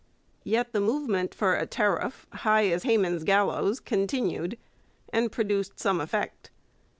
Yet the movement for a tariff 'high as Haman's gallows' continued, and produced some effect.